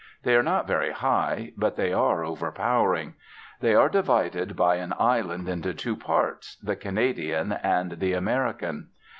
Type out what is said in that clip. They are not very high, but they are overpowering. They are divided by an island into two parts, the Canadian and the American.